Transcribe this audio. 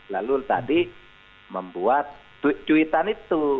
lalu tadi membuat cuitan itu